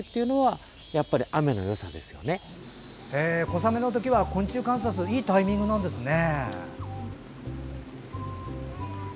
小雨の時は昆虫観察にいいタイミングなんですね。